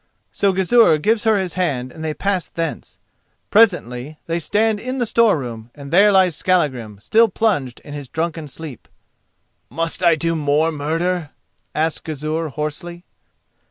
So Gizur gives her his hand and they pass thence. Presently they stand in the store room, and there lies Skallagrim, still plunged in his drunken sleep. "Must I do more murder?" asks Gizur hoarsely.